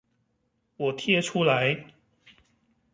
我貼出來